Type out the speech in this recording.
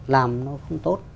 làm nó không tốt